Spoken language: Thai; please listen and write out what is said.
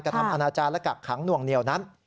กระทำอาณาจารย์และกักขังหน่วงเหนียวนั้น